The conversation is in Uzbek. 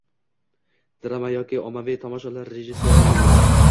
Drama yoki ommaviy tomoshalar rejissyorligi bo‘ladi